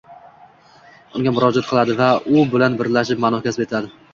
unga murojaat qiladi va u bilan birlashib ma’no kasb etadi.